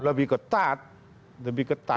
lebih ketat lebih ketat